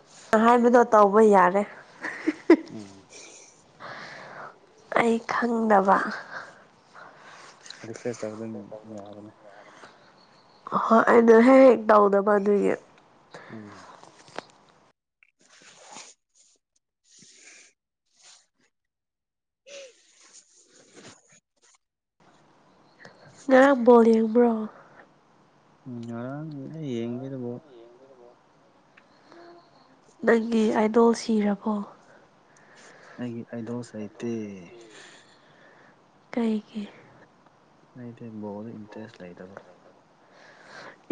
ꯎ ꯍꯥꯏꯕꯗꯣ ꯇꯧꯕ ꯌꯥꯔꯦ ꯎꯝ ꯑꯩ ꯈꯪꯗꯕ ꯔꯤꯐ꯭ꯔꯦꯁ ꯇꯧꯔꯒ ꯑꯗꯨꯝ ꯌꯥꯕꯅꯦ ꯍꯣꯏ ꯑꯩꯗꯣ ꯍꯦꯛ ꯍꯦꯛ ꯇꯧꯗꯅꯕ ꯑꯗꯨꯏꯒꯤ ꯎꯝ ꯍ ꯉꯔꯥꯡꯕꯣ ꯌꯦꯡꯕ꯭ꯔꯣ ꯎꯝ ꯑꯔꯥꯡ ꯌꯦꯡꯕꯤꯗꯕꯣ ꯅꯪꯒꯤ ꯑꯥꯏꯗꯣꯜ ꯁꯤꯔꯕꯣ ꯑꯩꯒꯤ ꯑꯩꯗꯣꯁ ꯑꯥꯏꯇ ꯀꯩꯒꯤ ꯑꯩꯗꯤꯣꯠ ꯏꯟꯇꯔꯁꯇ ꯂꯩꯗꯕ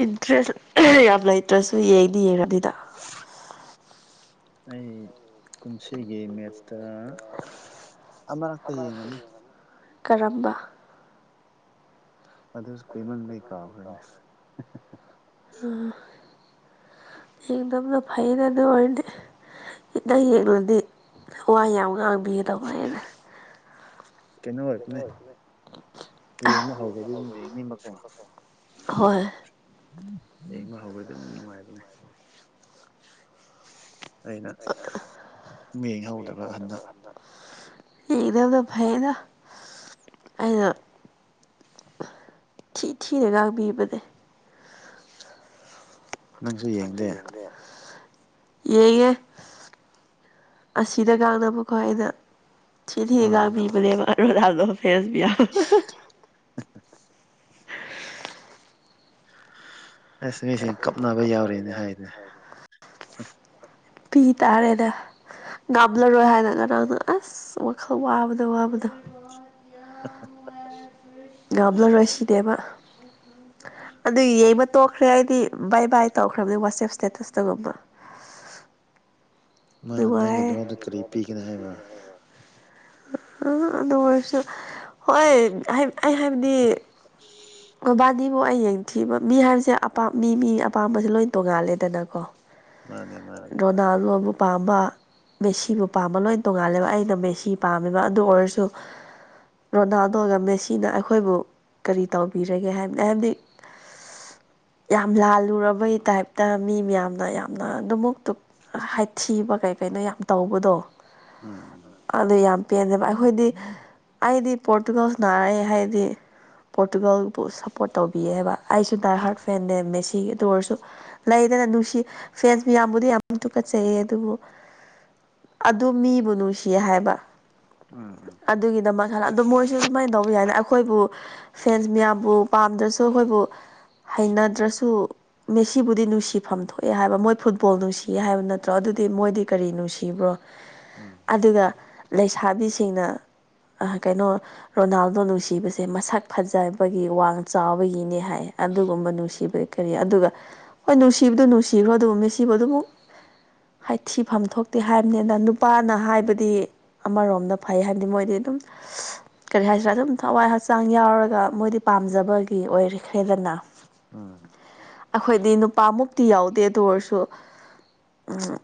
ꯏꯟꯇ꯭ꯔꯦꯁ ꯌꯥꯝ ꯂꯩꯇ꯭ꯔꯁꯨ ꯌꯦꯡꯅꯤ ꯌꯦꯡꯅꯤꯗ ꯎ ꯑꯩ ꯀꯨꯝꯁꯤꯒꯤ ꯃꯦꯇ ꯑꯃꯔꯛꯇ ꯌꯦꯡꯝꯃ ꯀꯔꯝꯕ ꯑꯗꯨꯁꯨ ꯀꯨꯏꯃꯟ ꯀꯩ ꯀꯥꯈ꯭ꯔꯦꯅꯦ ꯎꯝ ꯌꯦꯡꯗꯕꯗꯣ ꯐꯩꯌꯦꯅ ꯑꯗꯨ ꯑꯣꯏꯔꯗꯤ ꯏꯅꯪ ꯌꯦꯛꯂꯗꯤ ꯋꯥꯋꯥ ꯌꯥꯝ ꯉꯥꯡꯗ ꯃꯤꯕꯤꯗꯋꯥꯥꯏꯅ ꯀꯩꯅꯣ ꯑꯣꯏꯔꯔꯕꯅꯦ ꯌꯦꯡꯕ ꯍꯧꯈꯦꯗꯤ ꯑꯗꯨꯝ ꯌꯦꯡꯅꯤꯡ ꯃꯀꯣ ꯍꯣꯏ ꯏꯃ ꯍꯧꯕꯗ ꯑꯗꯨꯝ ꯅꯨꯡꯉꯥꯏꯕꯅꯦ ꯑꯩꯅ ꯃꯤꯡꯍꯧꯗꯕ ꯍꯟꯗ ꯌꯦꯡꯗꯕꯗꯣ ꯐꯩꯅ ꯑꯩꯅ ꯊꯤꯊꯤꯅ ꯉꯥꯛꯕꯤꯕꯅꯦ ꯅꯪꯁꯨ ꯌꯦꯡꯗꯦ ꯑꯩꯅꯦ ꯑꯁꯤꯗ ꯉꯥꯡꯅꯕꯀꯣ ꯑꯩꯅ ꯁꯤꯤꯔꯤꯦꯒ ꯑꯥ ꯃꯅꯦꯗꯣ ꯐꯦꯁꯕꯤ ꯑ ꯑꯁ ꯃꯤꯁꯤꯡ ꯀꯞꯅꯕ ꯌꯥꯎꯔꯦꯅꯦ ꯍꯥꯏꯔꯦ ꯄꯤ ꯇꯥꯔꯦꯗ ꯉꯥꯝꯂꯔꯣꯏ ꯍꯥꯏꯔꯒ ꯅꯪꯅ ꯑꯁ ꯋꯥꯈꯜ ꯋꯥꯞꯗ ꯋꯥꯔꯕꯗꯣ ꯑ ꯕꯂꯔꯣꯏꯁꯤꯗꯦꯕ ꯑꯗꯨ ꯌꯦꯡꯕ ꯇꯣꯛꯈ꯭ꯔꯦ ꯍꯥꯏꯗꯤ ꯕꯥꯏ ꯕꯥꯏ ꯇꯧꯈ꯭ꯔꯕꯅꯤ ꯋꯥꯆꯦꯞ ꯏꯁꯇꯦꯇꯁꯇꯒꯨꯝꯕ ꯃꯥꯅ ꯅꯨꯡꯉꯥꯏꯌꯦ ꯅꯪꯒꯤꯗꯋꯥꯗ ꯀꯔꯤ ꯄꯤꯒꯅꯤ ꯍꯥꯏꯕ꯭ꯔꯥ ꯑ ꯑꯗ ꯑꯣꯏꯣꯏꯁ ꯍꯣꯏ ꯑꯩ ꯍꯥꯏꯕꯗꯤ ꯃꯕꯥꯅꯤ ꯕꯨ ꯑꯩ ꯌꯦꯡꯊꯤꯕ ꯃꯤ ꯍꯥꯏꯕꯁꯦ ꯑꯄꯥ ꯃꯤ ꯃꯤ ꯑꯄꯥꯝꯕꯁꯦ ꯂꯣꯏ ꯇꯣꯡꯉꯥꯜꯂꯦꯗꯅꯀꯣ ꯃꯥꯅꯦ ꯃꯥꯅꯦ ꯥꯖꯣꯕꯨꯛ ꯄꯥꯝꯕ ꯃꯦꯁꯤꯕꯨ ꯄꯥꯝꯕ ꯂꯣꯏ ꯇꯣꯡꯉꯥꯜꯂꯦꯕ ꯑꯩꯅ ꯃꯦꯁꯤ ꯄꯥꯝꯃꯦꯕ ꯑꯗꯨ ꯑꯣꯏꯔꯁꯨ ꯔꯣꯅꯥꯜꯗꯣꯒ ꯃꯦꯁꯤꯅ ꯑꯩꯈꯣꯏꯕꯨ ꯀꯔꯤ ꯇꯧꯕꯤꯔꯒꯦ ꯍꯥꯏꯕꯅꯤ ꯍꯥꯏꯕꯗꯤ ꯌꯥꯝ ꯂꯥꯜꯂꯨꯔꯕꯩ ꯇꯥꯏꯞꯇ ꯃꯤ ꯃꯌꯥꯝꯅ ꯌꯥꯝꯅ ꯑꯗꯨꯃꯛ ꯑꯗꯨ ꯍꯥꯏꯊꯤꯕ ꯀꯩ ꯀꯩꯅꯣ ꯌꯥꯝ ꯇꯧꯕꯗꯣ ꯎꯝ ꯑꯗꯨ ꯌꯥꯝ ꯄꯦꯟꯖꯦꯕ ꯑꯩꯈꯣꯏꯗꯤ ꯎꯝ ꯑꯩꯗꯤ ꯄꯣꯔꯇꯨꯒꯜ ꯅꯥꯔꯛꯦ ꯍꯥꯏꯗꯤ ꯄꯣꯔꯇꯨꯒꯜꯕꯨ ꯁꯞꯄꯣꯔꯠ ꯇꯧꯕꯤꯌꯦꯕ ꯑꯩꯁꯨ ꯗꯥꯏ ꯎꯝ ꯍꯥꯔꯠ ꯐꯦꯟꯦꯃꯦꯦꯁꯤꯒꯤ ꯑꯗꯨ ꯑꯣꯏꯔꯁꯨ ꯂꯩꯗꯅ ꯅꯨꯡꯁꯤ ꯐꯦꯁꯕꯨ ꯌꯥꯝꯌꯥꯝꯕꯨꯗꯤ ꯌꯥꯝ ꯇꯨꯀꯠꯆꯩꯑ ꯑꯗꯨꯕꯨ ꯑꯗꯨ ꯃꯤꯕꯨ ꯅꯨꯡꯁꯤꯌꯦ ꯍꯥꯏꯕ ꯎꯝ ꯎꯝ ꯑꯗꯨꯒꯤꯗꯃꯛꯥꯟꯅ ꯑꯗꯣ ꯃꯣꯏꯁꯨ ꯁꯨꯃꯥꯏꯅ ꯇꯧꯕ ꯌꯥꯏꯗ ꯑꯩꯈꯣꯏꯕꯨ ꯐꯦꯟꯁ ꯃꯌꯥꯝꯕꯨ ꯄꯥꯝꯗ꯭ꯔꯁꯨ ꯑꯩꯈꯣꯏꯕꯨ ꯍꯩꯅꯗ꯭ꯔꯁꯨ ꯃꯦꯁꯤꯕꯨꯗꯤ ꯅꯨꯡꯁꯤꯐꯝ ꯊꯣꯛꯑꯦ ꯍꯥꯏꯕ ꯃꯣꯏ ꯐꯨꯠꯕꯣꯜ ꯅꯨꯡꯁꯤꯌꯦ ꯍꯥꯏꯕ ꯅꯠꯇ ꯠꯇ꯭ꯔꯣ ꯑꯗꯨꯗꯤ ꯃꯣꯏꯗꯤ ꯀꯔꯤ ꯅꯨꯡꯁꯤꯕ꯭ꯔꯣ ꯎꯝ ꯑꯗꯨꯒ ꯂꯩꯁꯥꯕꯤꯁꯤꯡꯅ ꯀꯩꯅꯣ ꯔꯣꯅꯥꯜꯗꯣ ꯅꯨꯡꯁꯤꯕꯁꯦ ꯃꯁꯛ ꯐꯖꯕꯒꯤ ꯋꯥ ꯆꯥꯎꯕꯒꯤꯅꯦ ꯍꯥꯏ ꯑꯗꯨꯒꯨꯝꯕ ꯅꯨꯡꯁꯤꯕꯒꯤ ꯀꯔꯤ ꯑꯗꯨꯒ ꯍꯣꯏ ꯅꯨꯡꯁꯤꯕꯗꯨ ꯅꯨꯡꯁꯤꯈ꯭ꯔꯣ ꯑꯗꯨꯒꯨꯝ ꯃꯤꯁꯤꯕꯗꯨꯛ ꯍꯥꯏꯊꯤꯐꯝ ꯊꯣꯛꯇꯦ ꯍꯥꯏꯕꯅꯤꯅ ꯅꯨꯄꯥꯅ ꯎꯝ ꯍꯥꯏꯕꯗꯤ ꯑꯃꯔꯣꯝꯗ ꯐꯩ ꯍꯥꯏꯕꯗꯤ ꯃꯣꯏꯗꯤ ꯑꯗꯨꯝ ꯀꯔꯤ ꯍꯥꯏꯁꯤꯔꯥ ꯑꯗꯨꯝ ꯊꯋꯥꯏ ꯍꯛꯆꯥꯡ ꯌꯥꯎꯔꯒ ꯃꯣꯏꯗꯤ ꯄꯥꯝꯖꯕꯒꯤ ꯑꯣꯏꯔꯦ ꯈ꯭ꯔꯦꯗꯅ ꯎꯝ ꯑꯩꯈꯣꯏꯗꯤ ꯅꯨꯄꯥꯃꯨꯛꯇꯤ ꯌꯥꯎꯗꯦꯗ ꯑꯣꯏꯔꯁꯨ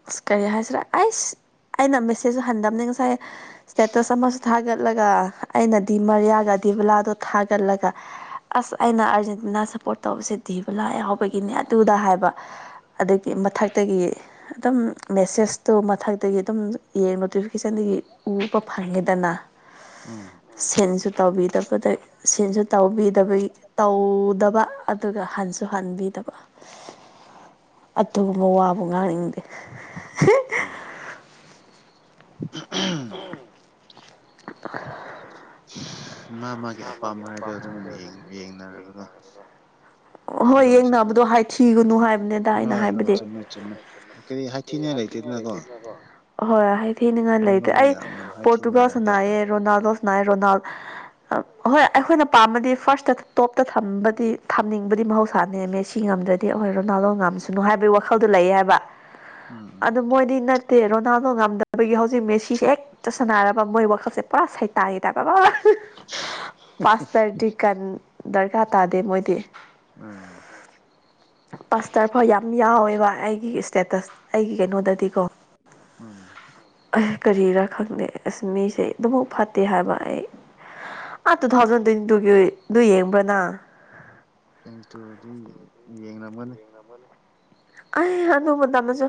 ꯑꯁ ꯀꯔꯤ ꯍꯥꯏꯁꯤꯔꯥ ꯑꯩꯁ ꯑꯩꯅ ꯃꯦꯁꯦꯖꯁꯨ ꯍꯟꯗꯕꯅꯤ ꯉꯁꯥꯏ ꯏꯁꯇꯦꯇꯁ ꯑꯃꯁꯨ ꯊꯥꯒꯠꯂꯒ ꯑꯩꯅ ꯗꯤꯃꯔꯤꯌꯥꯒ ꯗꯤꯕꯂꯥꯗꯣ ꯊꯥꯒꯠꯂꯒ ꯑꯁ ꯑꯩꯅ ꯑꯥꯔꯖꯦꯟꯇꯤꯅꯥ ꯁꯞꯄꯣꯔꯠ ꯇꯧꯕꯁꯦ ꯕ ꯂꯥ ꯌꯥꯍꯕꯒꯤꯅꯦ ꯑꯗꯨꯗ ꯍꯥꯏꯕ ꯑꯗꯒꯤ ꯃꯊꯛꯇꯒꯤ ꯑꯗꯨꯝ ꯃꯦꯁꯦꯁꯇꯣ ꯃꯊꯛꯇꯒꯤ ꯑꯗꯨꯝ ꯌꯦꯡ ꯅꯣꯇꯤꯐꯤꯀꯦꯁꯟꯗꯒꯤ ꯎꯕ ꯐꯪꯉꯦꯗꯅ ꯎꯝ ꯁꯦꯟꯁꯨ ꯇꯧꯕꯤꯗꯕꯗ ꯁꯦꯟꯁꯨ ꯇꯧꯕꯤꯗꯕꯒꯤ ꯇꯧꯗꯕ ꯑꯗꯨꯒ ꯍꯟꯁꯨ ꯍꯟꯕꯤꯗꯕ ꯑꯗꯨꯒꯨꯝꯕ ꯋꯥꯕꯨ ꯉꯥꯡꯅꯤꯡꯗꯦ ꯎꯝ [unintelligible] ꯃꯥ ꯃꯥꯒꯤ ꯑꯄꯥꯝꯕ ꯍꯥꯏꯗꯣ ꯑꯗꯨꯝ ꯌꯦꯡꯅꯔꯒ ꯑꯣ ꯍꯣꯏ ꯌꯦꯡꯅꯕꯗꯣ ꯍꯥꯏꯊꯤꯒꯅꯨ ꯍꯥꯏꯕꯅꯤꯗ ꯑꯩꯅ ꯍꯣꯏ ꯍꯣꯏ ꯍꯥꯏꯕꯗꯤ ꯆꯨꯝꯃꯦ ꯆꯨꯝꯃꯦ ꯀꯔꯤ ꯍꯥꯏꯊꯤꯅꯤꯡꯉꯥꯏ ꯂꯩꯇꯦꯗꯅꯀꯣ ꯍꯣꯏ ꯊꯤꯅꯤꯡꯉꯥꯏ ꯂꯩꯇꯦ ꯃꯤꯉꯣꯟꯗ ꯑꯩ ꯌꯥꯝ ꯌꯥꯝ ꯍꯥꯏꯊꯤꯅꯤꯡꯉꯥꯏ ꯗꯔꯀꯥꯔ ꯄꯣꯔꯇꯨꯒꯁꯅꯥꯑ ꯇꯥꯗꯦ ꯔꯣꯅꯥꯜꯗꯣ ꯍ ꯑꯩꯈꯣꯏ ꯐꯥ ꯊ ꯇꯝꯅꯤꯡꯕꯗꯤ ꯃꯍꯧꯁꯥ ꯅꯦꯝꯃꯦ ꯁꯤ ꯉꯝꯗ꯭ꯔꯗꯤ ꯑꯩꯈꯣꯏ ꯔꯣꯅꯥꯜꯗꯣ ꯉꯝꯁꯨꯅꯨ ꯍꯥꯏꯕꯒꯤ ꯋꯥꯈꯜꯗꯣ ꯂꯩꯌꯦ ꯍꯥꯏꯕ ꯎꯝ ꯎꯝ ꯑꯗꯨ ꯃꯣꯏꯗꯤ ꯅꯠꯇꯦ ꯔꯣꯅꯥꯜꯗꯣ ꯉꯝꯗꯕꯒꯤ ꯍꯧꯖꯤꯛ ꯃꯦꯁꯤꯁꯦ ꯍꯦꯛ ꯆꯠꯁꯥꯟꯅꯔꯕ ꯃꯣꯏ ꯋꯥꯈꯜꯁꯦ ꯄꯨꯔꯥ ꯁꯩꯇꯥꯒꯦ ꯇꯕꯕꯕꯥ ꯄꯥꯁꯇꯔꯗꯤꯀꯟ ꯗꯔꯀꯥꯔ ꯇꯥꯗꯦ ꯃꯣꯏꯗꯤ ꯎꯝ ꯄꯥꯁꯇꯔ ꯐꯥꯎ ꯌꯥꯝ ꯌꯥꯎꯋꯦꯕ ꯑꯩꯒꯤ ꯏꯁꯇꯦꯇꯁ ꯑꯩꯒꯤ ꯀꯩꯅꯣꯗꯗꯤꯀꯣ ꯎꯝ ꯀꯔꯤꯔꯥ ꯈꯪꯗꯦ ꯑꯁ ꯃꯤꯁꯦ ꯑꯗꯨꯃꯛꯥꯎ ꯐꯠꯇꯦ ꯍꯥꯏꯕ ꯑꯩ ꯑ ꯇꯨ ꯊꯥꯎꯖꯟ ꯇ꯭ꯋꯦꯟꯇꯤ ꯇꯨꯒꯤꯗꯨ ꯌꯦꯡꯕ꯭ꯔꯅ ꯀꯦꯡꯇꯨ ꯑꯗꯨ ꯌꯦꯡꯝꯒꯅꯦ ꯀꯃꯅꯤ ꯑꯩ ꯑꯗꯨ ꯃꯇꯝꯗꯁꯨ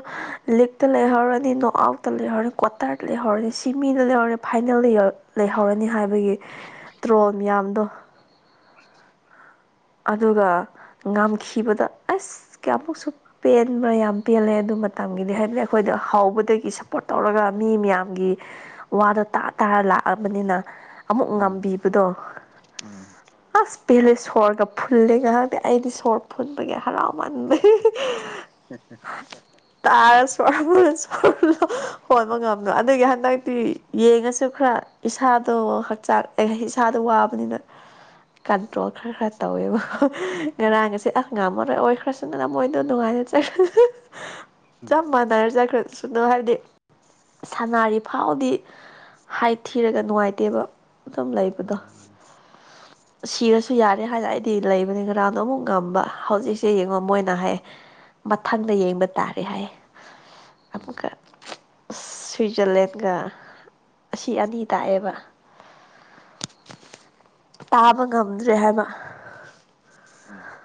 ꯂꯤꯛꯇ ꯂꯩꯍꯧꯔꯅꯤ ꯅꯣꯠ ꯑꯥꯎꯠꯇ ꯂꯩꯍꯧꯔꯅꯤ ꯇꯥꯔꯠ ꯂꯩꯍꯔꯦ ꯁꯤꯃꯤꯗ ꯂꯩꯍꯔꯦ ꯐꯥꯏꯅꯦꯜꯗ ꯌꯧꯔꯦ ꯂꯩꯍꯧꯔꯅꯤ ꯍꯥꯏꯕꯒꯤ ꯇ꯭ꯔꯣꯜ ꯃꯌꯥꯝꯗꯣ ꯑ ꯑꯗꯨꯒ ꯉꯝꯈꯤꯕꯗ ꯑꯁ ꯀꯌꯥꯃꯨꯛꯁꯨ ꯄꯦꯟꯕ ꯌꯥꯝ ꯄꯦꯜꯂꯦ ꯑꯗꯨ ꯃꯇꯝꯒꯤꯗꯤ ꯍꯥꯏꯕꯗꯤ ꯑꯩꯈꯣꯏꯗ ꯍꯥꯎꯕꯗꯒꯤ ꯁꯞꯄꯣꯔꯠ ꯇꯧꯔꯒ ꯃꯤ ꯃꯌꯥꯝꯒꯤ ꯋꯥꯗꯣ ꯇꯥ ꯇꯥꯔ ꯂꯥꯛꯑꯕꯅꯤꯅ ꯑꯃꯨꯛ ꯎꯝ ꯉꯝꯕꯤꯕꯗꯣ ꯎꯝ ꯑꯁ ꯄꯦꯂꯦꯁ ꯁꯔꯒ ꯐꯨꯜꯂꯦ ꯉꯥꯏꯍꯥꯛꯇꯗꯤ ꯑꯩꯗꯤ ꯁꯣꯔꯠ ꯐꯨꯟꯕꯒꯤ ꯍꯔꯥꯎꯃꯟꯕ ꯇꯥꯔꯁꯨꯣꯔ ꯁ ꯍꯣꯟꯕ ꯉꯝꯗꯣ ꯑꯗꯨꯗꯒꯤ ꯍꯟꯗꯛꯇꯤ ꯌꯦꯡꯉꯁꯨ ꯈꯔ ꯏꯁꯥꯗꯣ ꯍꯛꯆꯥꯡ ꯏꯁꯥꯗꯣ ꯋꯥꯕꯅꯤꯅ ꯀꯟꯇ꯭ꯔꯣꯜ ꯈꯔ ꯈꯔ ꯇꯧꯋꯦꯕ ꯎꯝ ꯉꯔꯥꯡ ꯑꯁꯦ ꯉꯥꯃ ꯑꯣꯏꯈ꯭ꯔꯁꯨꯅꯅ ꯃꯣꯏꯗꯣ ꯅꯨꯡꯉꯥꯏꯅ ꯆꯈ꯭ꯔꯁꯨ ꯎꯝ ꯆꯞ ꯃꯥꯟꯅꯔ ꯆꯠꯈ꯭ꯔꯁꯨ ꯀꯗꯣ ꯍꯥꯏꯕꯗꯤ ꯁꯥꯟꯅꯔꯤ ꯐꯥꯎꯗꯤ ꯍꯥꯏ ꯊꯤꯔꯒ ꯅꯨꯡꯉꯥꯏꯇꯦꯕ ꯑꯗꯨꯝ ꯂꯩꯕꯗꯣ [inaudible] ꯁꯤꯔꯁꯨ ꯌꯥꯏ ꯑꯩ ꯍꯥꯏ ꯂꯏꯗꯤ ꯂꯩꯕꯅꯦ ꯒ꯭ꯔꯥꯎꯟꯗꯣ ꯑꯃꯨꯛ ꯉꯝꯕ ꯍꯧꯖꯤꯛꯁꯦ ꯌꯦꯡꯉꯣ ꯃꯣꯏꯅ ꯍꯥꯏ ꯃꯊꯪꯗ ꯌꯦꯡꯕ ꯇꯥꯔꯦ ꯍꯥꯏ ꯎꯝ ꯑꯃꯨꯛꯀ ꯑ ꯁ꯭ꯋꯤꯖꯔꯂꯦꯟꯒ ꯑꯁꯤ ꯑꯅꯤ ꯇꯥꯛꯑꯦꯕ ꯇꯥꯕ ꯉꯝꯗ꯭ꯔꯦ ꯍꯥꯏꯕ ꯎꯝ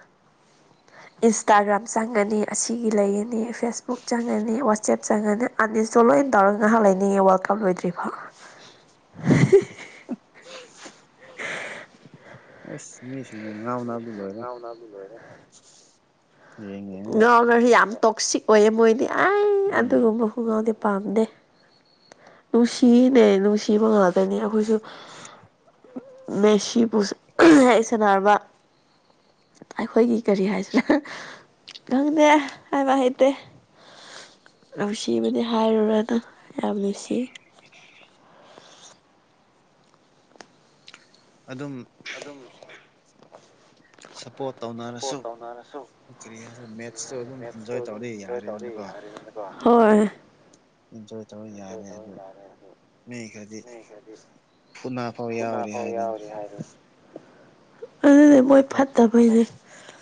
ꯏꯟꯁꯇꯥꯒ꯭ꯔꯥꯝ ꯆꯪꯒꯅꯤ ꯑꯁꯤꯒꯤ ꯂꯩꯌꯦꯅꯤ ꯑꯅꯤ ꯐꯦꯁꯕꯨꯛ ꯆꯪꯉꯅꯤ ꯋꯥꯆꯦꯞ ꯆꯪꯉꯅꯤ ꯑꯅꯤꯁꯤꯇꯣ ꯂꯣꯏꯅ ꯇꯧꯔꯒ ꯉꯥꯏꯍꯥꯛ ꯂꯩꯅꯤꯡꯉꯤ ꯋꯥꯔꯜ ꯀꯞ ꯂꯣꯏꯗ꯭ꯔꯤ ꯐꯣ [inaudible] ꯑꯦ ꯁꯤꯅꯤꯁꯤꯅꯤ ꯉꯎꯅ ꯑꯥꯎꯅꯃꯤꯂꯔꯦ ꯌꯦꯡ ꯌꯦꯡꯉꯒ ꯉꯥꯎꯅꯔꯁꯨ ꯌꯥꯝ ꯇꯣꯛꯁꯤꯛ ꯑꯣꯏꯌꯦ ꯃꯣꯏꯗꯤ ꯑꯩ ꯎꯝ ꯑꯗꯨꯒꯨꯝꯕꯁꯨ ꯉꯥꯎꯗꯤꯦ ꯄꯥꯝꯗꯦ ꯅꯨꯡꯁꯤꯅꯦ ꯅꯨꯡꯁꯤꯕ ꯉꯥꯗꯣꯏꯅꯦ ꯑꯩꯈꯣꯏꯁꯨ ꯃꯦꯁꯤ ꯄꯨ ꯍꯥꯏꯁꯦꯅꯔꯔꯕ ꯑꯩꯈꯣꯏꯒꯤ ꯀꯔꯤ ꯍꯥꯏꯁꯤꯅ ꯈꯪꯗꯦ ꯍꯥꯏꯕ ꯍꯩꯇꯦ ꯅꯨꯡꯁꯤꯕꯗꯤ ꯍꯥꯏꯔꯨꯔꯅ ꯌꯥꯝ ꯅꯨꯡꯁꯤ ꯑꯗꯨꯝ ꯁꯄꯣꯔꯠ ꯇꯧꯅꯔꯁꯨ ꯀꯔꯤ ꯍꯥꯏꯁꯦ ꯃꯦꯠꯁꯁꯨ ꯑꯗꯨꯝ ꯏꯟꯖꯣꯏ ꯇꯧꯔꯗꯤ ꯌꯥꯔꯦꯗꯅꯀꯣ ꯍꯣꯏ ꯏꯟꯖꯣꯏ ꯇꯧꯕ ꯌꯥꯔꯦ ꯑꯗꯨ ꯃꯤ ꯈꯔꯗꯤ ꯐꯨꯅꯥ ꯐꯥꯎ ꯌꯥꯎꯔꯤ ꯍꯥꯏꯔꯤꯅꯦ ꯑꯗꯨꯅꯦ ꯃꯣꯏ ꯐꯠꯇꯕꯩꯅꯦ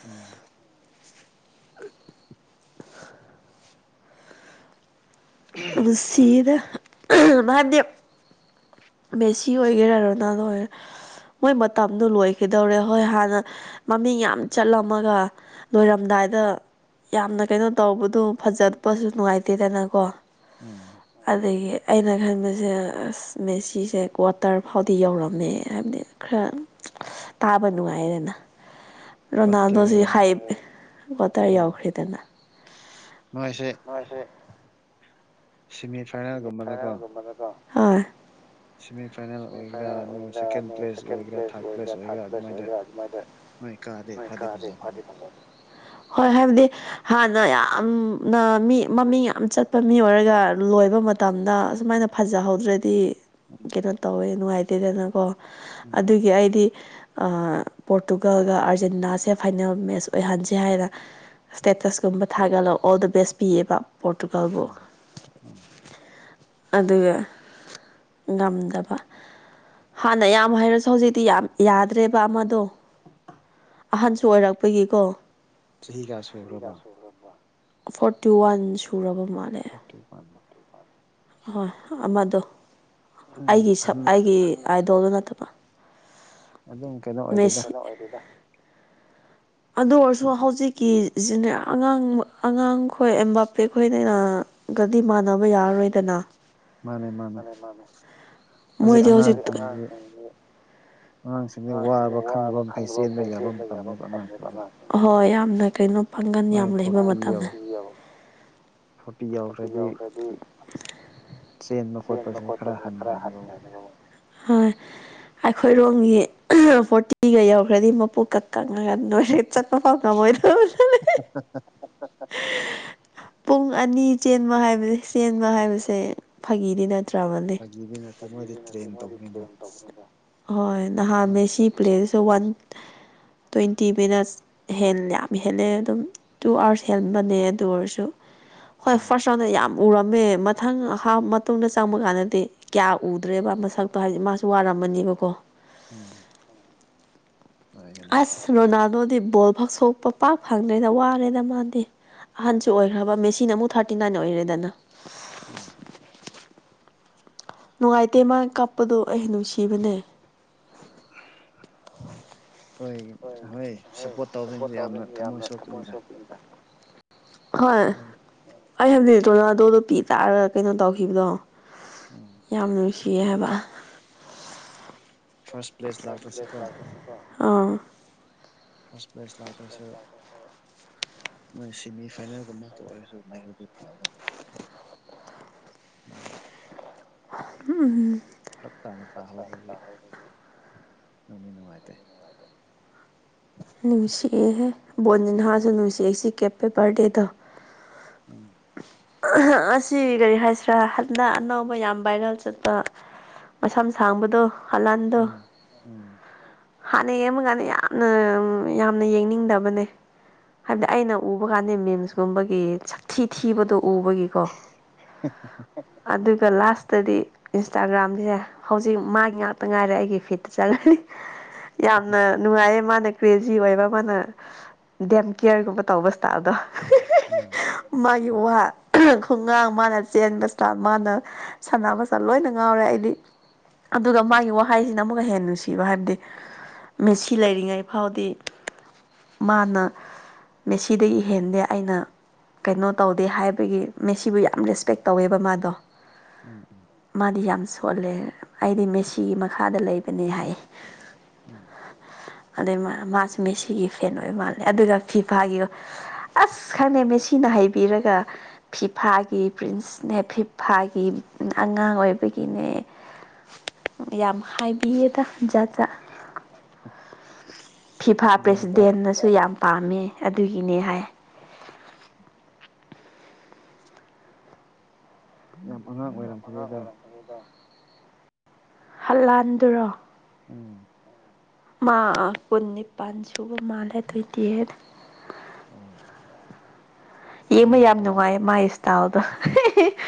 ꯎꯝ ꯃꯁꯗ ꯃꯥꯗ ꯃꯦꯁꯤ ꯑꯣꯏꯒꯦꯔꯅ ꯂꯔ ꯃꯣꯏ ꯃꯇꯝꯗꯣ ꯂꯣꯏꯈꯤꯗꯧꯔꯦ ꯍꯣꯏ ꯍꯥꯟꯅ ꯃꯃꯤꯡ ꯌꯥꯝ ꯆꯠꯂꯝꯃꯒ ꯂꯣꯏꯔꯝꯗꯥꯏꯗ ꯌꯥꯝꯅ ꯀꯩꯅꯣ ꯇꯧꯕꯗꯣ ꯐꯖꯠꯄꯁꯨ ꯅꯨꯡꯉꯥꯏꯇꯦꯗꯅꯀꯣ ꯎꯝ ꯑꯗꯒꯤ ꯑꯩꯅ ꯈꯟꯕꯁꯦ ꯃꯦꯆꯤ ꯁꯤꯁꯦ ꯀ꯭ꯋꯥꯇꯔ ꯐꯥꯎꯗꯤ ꯌꯧꯔꯝꯃꯦ ꯍꯥꯏꯕꯗꯤ ꯈꯔ ꯇꯥꯕ ꯅꯨꯡꯉꯥꯏꯌꯦꯗꯅ ꯀ꯭ꯋꯥꯇꯔ ꯔꯣꯅꯥꯜꯗꯣꯁꯤ ꯍꯥꯏ ꯋꯥꯇ ꯎꯝ ꯌꯥꯎꯈ꯭ꯔꯦꯗꯅ ꯃꯣꯏꯁꯦ ꯁꯤꯃꯤꯠ ꯍꯣꯏ ꯁꯦꯃꯤꯐꯥꯏꯅꯦꯜ ꯑꯣꯏꯒꯦꯔꯥ ꯅ ꯁꯦꯀꯦꯟ ꯄ꯭ꯂꯦꯁ ꯑꯣꯏꯒꯦꯔꯥ ꯊꯥꯔꯠ ꯄ꯭ꯂꯦꯁ ꯑꯣꯏꯒꯦꯔꯥ ꯑꯗꯨꯃꯥꯏꯗ [unintelligible] ꯃꯣꯏ ꯀꯥꯗꯦꯞ ꯀꯥꯗꯦꯞ ꯍꯧꯖ ꯍꯣꯏ ꯍꯥꯏꯕꯗꯤ ꯍꯥꯟꯅ ꯌꯥꯝꯅ ꯃꯤ ꯃꯃꯤꯡ ꯌꯥꯝ ꯆꯠꯄ ꯃꯤ ꯑꯣꯏꯔꯒ ꯂꯣꯏꯕ ꯃꯇꯝꯗ ꯑꯁꯨꯃꯥꯏꯅ ꯐꯖꯍꯧꯗ꯭ꯔꯗꯤ ꯎꯝ ꯀꯩꯅꯣ ꯇꯧꯋꯦ ꯅꯨꯡꯉꯥꯏꯇꯦꯗꯅꯀꯣ ꯎꯝ ꯑꯗꯨꯒꯤ ꯑꯩꯗꯤ ꯄꯣꯔꯇꯨꯒꯜꯒ ꯑꯥꯔꯖꯦꯟꯇꯤꯅꯥꯁꯦ ꯐꯥꯏꯅꯦꯜ ꯃꯦꯠꯆ ꯑꯣꯏꯍꯟꯁꯦ ꯍꯥꯏꯅ ꯏꯁꯇꯦꯇꯁꯀꯨꯝꯕ ꯊꯥꯒꯠꯂꯒ ꯑꯣꯜ ꯗ ꯕꯦꯁ ꯄꯤꯌꯦꯕ ꯄꯣꯔꯇꯨꯒꯜꯕꯨ ꯎꯝ [inaudible] ꯑꯗꯨꯒ ꯉꯝꯗꯕ ꯍꯥꯟꯅ ꯌꯥꯝ ꯍꯥꯏꯔꯁꯤ ꯑ ꯍꯧꯖꯤꯛꯇꯤ ꯌꯥꯝ ꯌꯥꯗ꯭ꯔꯦꯕ ꯑꯃꯗꯣ ꯑꯍꯟꯁꯨ ꯑꯣꯏꯔꯛꯄꯒꯤꯀꯣ꯫ ꯆꯍꯤ ꯀꯌꯥ ꯁꯨꯔꯕ ꯐꯣꯔꯇꯤ ꯋꯥꯟ ꯁꯨꯔꯕ ꯃꯥꯜꯂꯦ꯫ [unintelligible] ꯍꯍꯣꯏ ꯑꯃꯗꯣ ꯑꯩꯒꯤ ꯎꯝ ꯁ ꯑꯍꯟ ꯑꯩꯒꯤ ꯑꯥꯏꯗꯣꯜꯗꯨ ꯅꯠꯇꯕ꯫ ꯑꯗꯨ ꯃꯦꯁꯤ꯫ ꯑꯗꯨ ꯑꯣꯏꯔꯁꯨ ꯍꯧꯖꯤꯛꯀꯤ ꯁꯤꯖꯤꯅꯦ ꯑꯉꯥꯡ ꯑꯉꯥꯡꯈꯣꯏ ꯑ ꯕꯥꯄꯦ ꯈꯣꯏꯗꯅ ꯒꯗꯤ ꯃꯥꯟꯅꯕ ꯌꯥꯔꯔꯣꯏꯗꯅ꯫ ꯃꯥꯅꯦ ꯃꯥꯅꯦ ꯍꯧꯖꯤꯛ ꯃꯣꯏꯗꯣ ꯍꯥꯎꯖꯤꯛ ꯑꯉꯥꯡꯁꯤꯡꯗꯤ ꯋꯥꯕ ꯈꯪꯗꯕ ꯃꯈꯩ ꯆꯦꯟꯕ ꯌꯥꯕ ꯃꯇꯝꯅꯤꯅꯦꯕ ꯑꯉꯥꯡꯁꯤꯡꯗꯤ꯫ ꯍꯣꯏ ꯌꯥꯝꯅ ꯀꯩꯅꯣ ꯄꯥꯡꯒꯜ ꯌꯥꯝ ꯂꯩꯕ ꯐꯣꯔꯇꯤ ꯌꯧ ꯃꯇꯝꯅꯤ꯫ ꯐꯣꯔꯇꯤ ꯌꯥꯎꯈ꯭ꯔꯗꯤ ꯆꯦꯟꯕ ꯈꯣꯠꯄꯁꯦ ꯈꯔ ꯍꯟꯈ꯭ꯔꯅꯦꯕ ꯃꯁ ꯍꯣꯏ ꯑꯩꯈꯣꯏꯔꯣꯝꯒꯤ꯫ ꯐꯣꯔꯇꯤꯒ ꯌꯧꯈ꯭ꯔꯗꯤ ꯃꯄꯨꯀꯛ ꯀꯪꯉꯒ ꯅꯣꯏꯔꯦ ꯆꯠ [unintelligible] ꯄꯨꯡ ꯑꯅꯤ ꯆꯦꯟꯕ ꯍꯥꯏꯕ ꯆꯦꯟꯕ ꯍꯥꯏꯕꯁꯦ꯫ ꯐꯥꯒꯤꯗꯤ ꯅꯠꯇ꯭ꯔꯕ ꯐꯥꯒꯤꯗꯤ ꯅꯠꯇꯦ ꯃꯣꯏꯗꯤ ꯇ꯭ꯔꯦꯟ ꯇꯧꯕꯅꯤꯗ ꯍꯣꯏ ꯊꯥꯝ ꯎꯝ ꯃꯦꯁꯤ ꯄ꯭ꯂꯦꯁꯤꯁꯨ ꯋꯥꯟ ꯇ꯭ꯋꯦꯟꯇꯤ ꯃꯤꯅꯠꯁ ꯍꯦꯜ ꯌꯥꯝ ꯍꯦꯜꯂꯦ ꯑꯗꯨꯝ ꯇꯨ ꯑꯥꯋꯥꯔꯁ ꯍꯦꯟꯕꯅꯦ ꯑꯗꯨ ꯑꯣꯏꯔꯁꯨ ꯍꯣꯏ ꯐꯥꯔꯁ ꯔꯥꯎꯟꯗ ꯌꯥꯝ ꯎꯔꯝꯃꯦ ꯃꯊꯪꯞ ꯃꯇꯨꯡꯗ ꯆꯪꯕ ꯀꯥꯟꯗꯗꯤ ꯀꯌꯥ ꯎꯗ꯭ꯔꯦꯕ ꯃꯁꯛꯇꯣ ꯍꯥꯏꯗꯤ ꯃꯥꯁꯨ ꯋꯥꯔꯝꯃꯅꯦꯕꯀꯣ ꯎꯝ ꯍꯔꯦ ꯑꯁ ꯔꯣꯅꯥꯜꯗꯣꯗꯤ ꯕꯣꯜ ꯐꯛ ꯁꯣꯛꯄ ꯄꯥꯛ ꯐꯪꯗ꯭ꯔꯦꯗ ꯋꯥꯔꯦꯗ ꯃꯥꯗꯤ꯫ ꯑꯍꯟꯁꯨ ꯑꯣꯏꯈ꯭ꯔꯕ ꯃꯦꯁꯤꯟ ꯑꯃꯨꯛ ꯊꯥꯔꯇꯤ ꯅꯥꯏꯟ ꯑꯣꯏꯔꯦꯗꯅ [inaudible] ꯅꯨꯡꯉꯥꯏꯇꯦ ꯃꯥ ꯀꯥꯞꯄꯗꯣ ꯑꯩ ꯅꯨꯡꯁꯤꯕꯅꯦ꯫ [unintelligible] ꯍꯣꯏ ꯍꯣꯏ ꯁꯞꯄꯣꯔꯠ ꯇꯧꯕꯗꯁꯦ ꯌꯥꯝꯅ ꯊꯝꯃꯣꯏ ꯁꯣꯛꯄꯅꯤꯗ ꯍꯣꯏ ꯃꯣꯏ ꯑꯩ ꯍꯥꯏꯖꯤꯛꯇꯣꯅꯗꯣ ꯂꯣꯄꯤ ꯇꯥꯔꯒ ꯀꯩꯅꯣ ꯇꯧꯈꯤꯕꯗꯣ ꯎꯝ ꯌꯥꯝ ꯅꯨꯡꯁꯤꯌꯦ ꯍꯥꯏꯕ ꯐꯥꯁ ꯑꯥ ꯐꯁ ꯄ꯭ꯂꯦꯁ ꯂꯥꯛꯇꯥꯁꯨ ꯅꯣꯏ ꯁꯦꯃꯤ ꯐꯥꯏꯅꯦꯜꯒꯃꯇ ꯑꯣꯏꯔꯁꯨ ꯐꯒꯥꯗꯕ ꯎꯝ ꯐꯔꯞ ꯇꯥꯅ ꯇꯥꯍꯧꯕꯗꯤ ꯅꯨꯡꯅꯤ ꯅꯨꯡꯉꯥꯏꯇꯦ꯫ ꯅꯨꯡꯁꯤꯑꯍꯦ ꯕꯣꯟ ꯅꯍꯥꯁꯨ ꯅꯨꯡꯁꯤꯑꯦ ꯁꯤ ꯀꯦꯞꯄꯦ ꯕꯥꯔꯗꯦꯗ ꯎꯝ ꯑꯁꯤ ꯀꯔꯤ ꯍꯥꯏꯁꯤꯔꯥ ꯍꯟꯗꯛ ꯑꯅꯧꯕ ꯌꯥꯝ ꯚꯥꯏꯔꯦꯜ ꯆꯠꯄ ꯃꯁꯝ ꯁꯥꯡꯕꯗꯣ ꯍꯂꯥꯟꯗꯣ ꯎꯝ ꯎꯝ ꯍꯥꯟꯅ ꯌꯦꯡꯕꯀꯥꯟꯗ ꯌꯥꯝꯅ ꯌꯥꯝꯅ ꯌꯦꯡꯅꯤꯡꯗꯕꯅꯦ꯫ ꯍꯥꯏꯕꯗꯤ ꯑꯩꯅ ꯎꯕ ꯀꯥꯟꯗ ꯃꯝꯁꯀꯨꯝꯕꯒꯤ ꯁꯛꯊꯤ ꯊꯤꯕꯗꯣ ꯑꯩꯒꯤꯀꯣ ꯑꯗꯨꯒ ꯂꯥꯁ ꯇꯗꯤ ꯏꯟꯁꯇꯥꯒ꯭ꯔꯥꯝꯁꯦ ꯍꯧꯖꯤꯛ ꯃꯥꯒꯤ ꯉꯥꯛꯇ ꯉꯥꯏꯔꯦ ꯑꯩꯒꯤ ꯐꯤꯠꯇ ꯆꯠꯂꯅꯤ꯫ ꯌꯥꯝꯅ ꯅꯨꯡꯉꯥꯏꯌꯦ ꯃꯥꯅ ꯀ꯭ꯔꯦꯖꯤ ꯑꯣꯏꯕ ꯃꯥꯅ ꯗꯦꯝ ꯀꯦꯌꯔꯒꯨꯝꯕ ꯇꯧꯕ ꯏꯁꯇꯥꯥꯏꯜꯗꯣ ꯎꯝ ꯃꯥꯒꯤ ꯋꯥ ꯈꯣꯡꯒꯥꯡ ꯃꯥꯅ ꯆꯦꯟ ꯃꯁꯆꯥꯥꯟ ꯃꯥꯅ ꯁꯅꯥ ꯃꯁꯆꯥ ꯂꯣꯏꯅ ꯉꯥꯎꯔꯦ ꯑꯩꯗꯤ ꯑꯗꯨꯒ ꯃꯥꯒꯤ ꯋꯥꯍꯩꯁꯤꯅ ꯑꯃꯨꯛꯀ ꯍꯦꯟꯅ ꯅꯨꯡꯁꯤꯕ ꯍꯥꯏꯕꯗꯤ ꯃꯁꯤ ꯁꯤ ꯂꯩꯔꯤꯉꯩ ꯐꯥꯎꯗꯤ ꯃꯥꯅ ꯃꯦꯁꯤꯗꯒꯤ ꯍꯦꯟꯗꯦ ꯑꯩꯅ ꯀꯩꯅꯣ ꯇꯧꯗꯦ ꯍꯥꯏꯕ ꯑꯩꯈꯣꯏꯒꯤ ꯃꯦꯁꯤꯕꯨ ꯌꯥꯝ ꯔꯦꯁꯄꯦꯛ ꯇꯧꯋꯦꯕ ꯃꯥꯗꯣ ꯎꯝ ꯎꯝ ꯃꯥꯗꯤ ꯌꯥꯝ ꯁꯣꯜꯂꯦ ꯑꯩꯗꯤ ꯃꯦꯁꯤꯒꯤ ꯃꯈꯥꯗ ꯂꯩꯕꯅꯦ ꯍꯥꯏ ꯎꯝ ꯑꯗꯨꯏ ꯃꯥꯁꯨ ꯃꯦꯁꯤꯒꯤ ꯐꯦꯟ ꯑꯣꯏ ꯃꯥꯜꯂꯦ ꯑꯗꯨꯒ ꯐꯤꯐꯥꯒꯤ ꯑꯁ ꯈꯪꯉꯦ ꯃꯦꯁꯤꯅ ꯍꯥꯏꯩꯕꯤꯔꯒ ꯐꯤꯐꯥꯒꯤ ꯄ꯭ꯔꯤꯟꯁꯅꯦ ꯐꯤꯐꯥꯒꯤ ꯑꯉꯥꯡ ꯑꯣꯏꯕꯒꯤꯅꯦ ꯌꯥꯝ ꯍꯥꯏꯕꯤꯌꯦꯗꯖꯠ ꯐꯤꯐꯥ ꯑꯗꯣ ꯅꯨꯄꯥ ꯄ꯭ꯔꯦꯁꯤꯗꯦꯟꯅꯁꯨ ꯁꯨ ꯌꯥꯝ ꯄꯥꯝꯃꯦ ꯑꯗꯨꯒꯤꯅꯦ ꯍꯥꯏ ꯌꯥꯝ ꯑꯉꯥꯡ ꯑꯣꯏꯔꯝꯈꯤꯅꯤꯗ ꯑꯗꯨꯗ ꯍꯜꯂꯥꯟꯗꯨꯔꯣ ꯎꯝ ꯀꯨꯟ ꯅꯤꯄꯥꯜ ꯁꯨꯕ ꯃꯥꯜꯂꯦ ꯎꯝ ꯌꯦꯡꯕ ꯀꯟꯕ ꯌꯥꯝ ꯃꯇꯝꯅꯤ ꯅꯨꯡꯉꯥꯏ ꯃꯥꯏꯁꯦ ꯇꯥꯎꯗꯣ